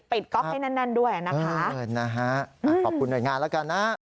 ปิดก๊อบให้นั้นด้วยนะคะนะฮะขอบคุณหน่อยงานละกันนะ